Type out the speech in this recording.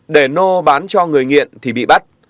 để nô bán cho người nghiện thì bị bắt